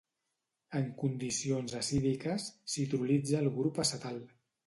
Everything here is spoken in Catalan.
En condicions acídiques, s'hidrolitza el grup acetal.